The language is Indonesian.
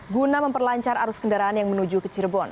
guna memperlancar arus kendaraan yang menuju ke cirebon